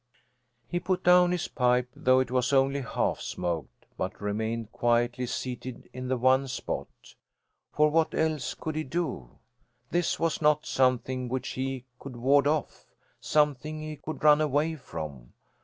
He put down his pipe, though it was only half smoked, but remained quietly seated in the one spot. For what else could he do? This was not something which he could ward off something he could run away from.